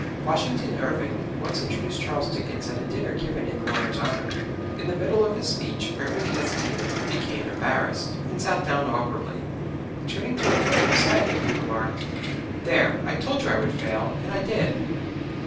Washington Irving once introduced Charles Dickens at a dinner given in the latter's honor. In the middle of his speech Irving hesitated, became embarrassed, and sat down awkwardly. Turning to a friend beside him he remarked, "There, I told you I would fail, and I did."